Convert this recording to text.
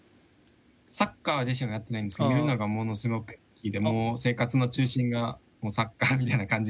サッカー自身はやってないんですけど見るのがものすごく好きでもう生活の中心がサッカーみたいな感じにはなってます。